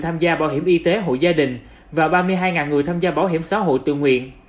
tham gia báo hiểm y tế hộ gia đình và ba mươi hai người tham gia báo hiểm xã hội tự nguyện